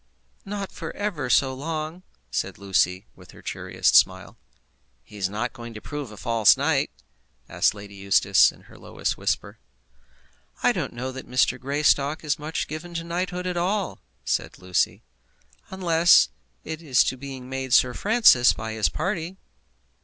"Not for ever so long," said Lucy, with her cheeriest smile. "He is not going to prove a false knight?" asked Lady Eustace, in her lowest whisper. "I don't know that Mr. Greystock is much given to knighthood at all," said Lucy, "unless it is to being made Sir Francis by his party."